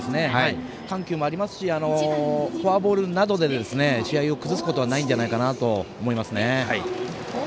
緩急もありますしフォアボールなどで試合を崩すことはないんじゃないかなと思いますね。